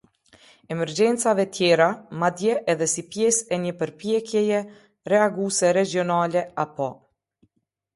Emergjencave tjera, madje edhe si pjesë e një përpjekjeje reaguese regjionale apo.